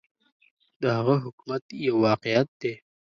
د هغه حکومت یو واقعیت دی.